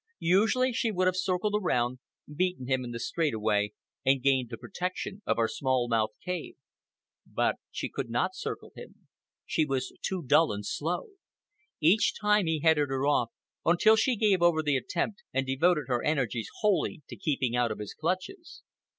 Usually, she would have circled around him, beaten him in the straight away, and gained the protection of our small mouthed cave. But she could not circle him. She was too dull and slow. Each time he headed her off, until she gave over the attempt and devoted her energies wholly to keeping out of his clutches.